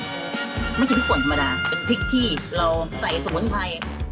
ไม่ใช่พริกป่นมาดาเป็นพริกที่เราใส่สวนไพร